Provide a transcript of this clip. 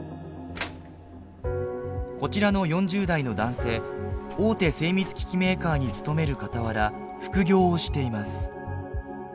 こちらの４０代の男性大手精密機器メーカーに勤めるかたわら副業をしています。